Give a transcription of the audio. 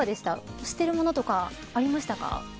知ってるものとかありましたか。